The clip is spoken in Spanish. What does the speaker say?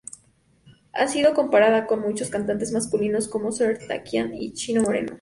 Ha sido comparada con muchos cantantes masculinos como Serj Tankian y Chino Moreno.